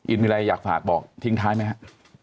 อินมีอะไรอยากฝากบอกทิ้งทุกอย่างนะครับ